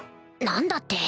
何だって？